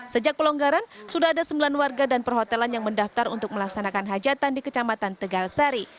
sejak pelonggaran sudah ada sembilan warga dan perhotelan yang mendaftar untuk melaksanakan hajatan di kecamatan tegal sari